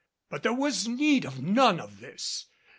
But there was need of none of this.